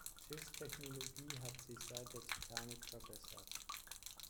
Schiffstechnologie hat sich seit der Titanic verbessert.